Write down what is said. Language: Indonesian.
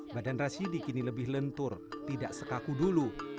badan rasidi kini lebih lentur tidak sekaku dulu